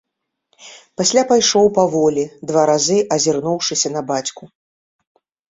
Пасля пайшоў паволі, два разы азірнуўшыся на бацьку.